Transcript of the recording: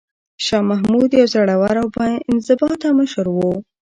شاه محمود یو زړور او با انضباطه مشر و.